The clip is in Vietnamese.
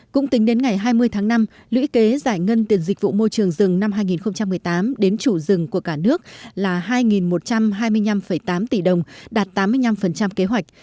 cũng tính đến ngày hai mươi tháng năm lũy kế giải ngân tiền dịch vụ môi trường rừng năm hai nghìn một mươi tám đến chủ rừng của cả nước là hai một trăm hai mươi năm tám tỷ đồng đạt tám mươi năm kế hoạch